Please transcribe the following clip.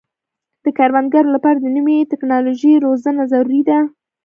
د کروندګرو لپاره د نوې ټکنالوژۍ روزنه ضروري ده.